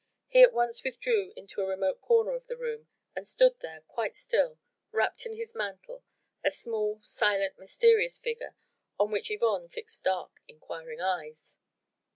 He at once withdrew into a remote comer of the room and stood there quite still, wrapped in his mantle, a small, silent, mysterious figure on which Yvonne fixed dark, inquiring eyes.